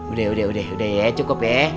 udah udah ya cukup ya